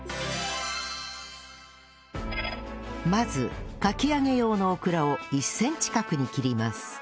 まずかき揚げ用のオクラを１センチ角に切ります